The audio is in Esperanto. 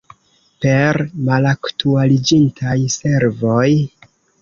Per malaktualiĝintaj servoj?